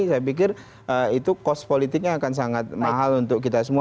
saya pikir itu cost politiknya akan sangat mahal untuk kita semua